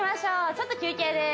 ちょっと休憩です